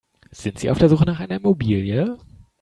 Sind Sie auf der Suche nach einer Immobilie?